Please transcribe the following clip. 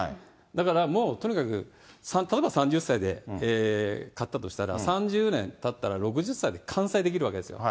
だからもうとにかく、例えば３０歳で買ったとしたら、３０年たったら６０歳で完済できるわけですよ。